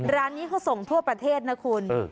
ร้านนี้เขาส่งทั่วประเทศนะคุณ